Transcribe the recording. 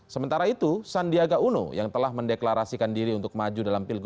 sementara itu sandiaga uno yang telah mendeklarasikan diri untuk maju dalam pilgub